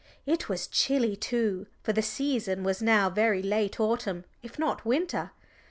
It was chilly too, for the season was now very late autumn, if not winter.